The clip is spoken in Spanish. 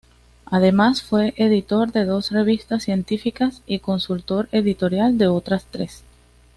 Además fue editor de dos revistas científicas, y consultor editorial de otras tres.